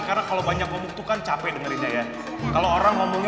karena kalau banyak membutuhkan capek dengerin saya kalau orang ngomongnya